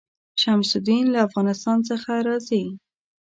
شمس الدین له افغانستان څخه راځي.